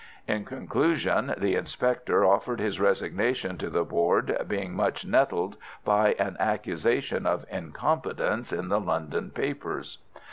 In conclusion, the inspector offered his resignation to the Board, being much nettled by an accusation of incompetence in the London papers.